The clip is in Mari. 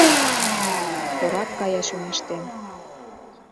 Корак кая чоҥештен.